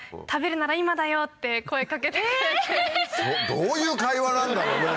どういう会話なんだろうね。